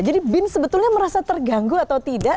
jadi bin sebetulnya merasa terganggu atau tidak